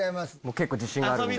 結構自信があるので。